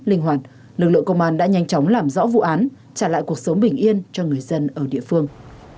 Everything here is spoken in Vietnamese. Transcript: linh hoạt lực lượng công an đã nhanh chóng làm rõ vụ án trả lại cuộc sống bình yên cho người dân ở địa phương